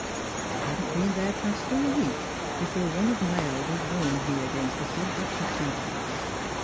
I hadn't been their pastor a week before one of my elders warned me against the subject of temperance.